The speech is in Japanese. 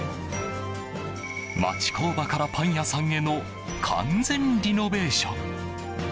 町工場からパン屋さんへの完全リノベーション。